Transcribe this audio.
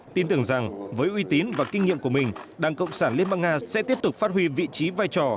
tin tưởng rằng với uy tín và kinh nghiệm của mình đảng cộng sản liên bang nga sẽ tiếp tục phát huy vị trí vai trò